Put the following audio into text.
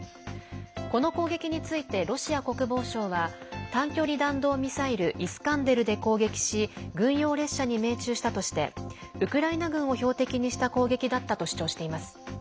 この攻撃についてロシア国防省は短距離弾道ミサイル「イスカンデル」で攻撃し軍用列車に命中したとしてウクライナ軍を標的にした攻撃だったと主張しています。